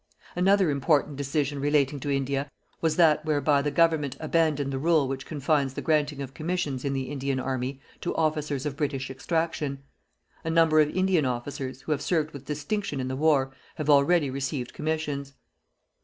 Another important decision relating to India was that whereby the Government abandoned the rule which confines the granting of commissions in the Indian army to officers of British extraction. A number of Indian officers, who have served with distinction in the war, have already received commissions.